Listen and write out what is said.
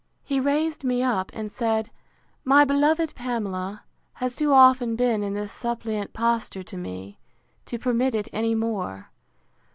He raised me up, and said, My beloved Pamela has too often been in this suppliant posture to me, to permit it any more.